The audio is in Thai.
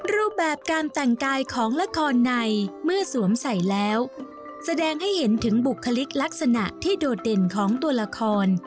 รูปแบบการแต่งกายของละครในเมื่อสวมใส่แล้วแสดงให้เห็นถึงบุคลิกลักษณะที่โดดเด่นของตัวละคร